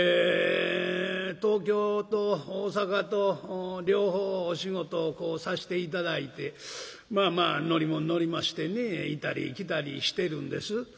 東京と大阪と両方お仕事をさして頂いてまあまあ乗り物乗りましてね行ったり来たりしてるんです。